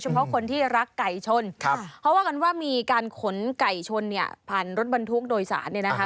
เพราะคนที่รักไก่ชนเขาว่ากันว่ามีการขนไก่ชนเนี่ยผ่านรถบรรทุกโดยสารเนี่ยนะคะ